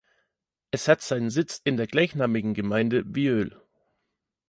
Es hat seinen Sitz in der gleichnamigen Gemeinde Viöl.